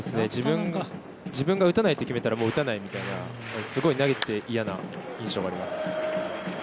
自分が打たないと決めたら打たないというようなすごい投げてて嫌な印象があります。